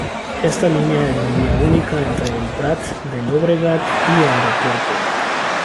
Esta línea es de vía única entre El Prat de Llobregat y Aeropuerto.